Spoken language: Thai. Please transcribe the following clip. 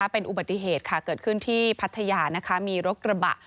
เป็นอุบัติเหตุค่ะเกิดขึ้นที่พัทยานะคะมีรถกระบะ